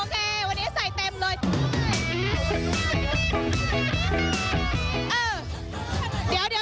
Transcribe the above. วันนี้ใส่เต็มเลย